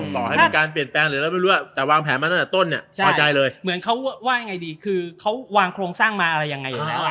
สอบให้มีการเปลี่ยนแปลงหรืออะไร